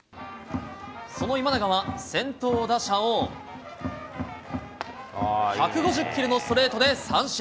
その今永は、先頭打者を、１５０キロのストレートで三振。